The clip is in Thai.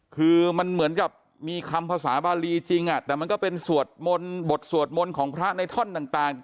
คือมันเหมือนกับมีคำภาษาบาลีจริงแต่มันก็เป็นสวดมนต์บทสวดมนต์ของพระในท่อนต่าง